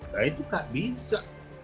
nah itu tidak bisa